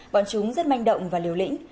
bọn chúng rất manh động và liều lĩnh